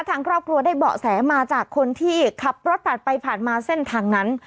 ทางครอบครัวได้เบาะแสมาจากคนที่ขับรถผ่านไปผ่านมาเส้นทางนั้น